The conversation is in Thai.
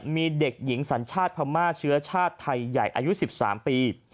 มีเด็กหญิงสัญชาติพม่าเชื้อชาติไทยใหญ่อายุ๑๓ปี